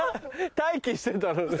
待機してたのね？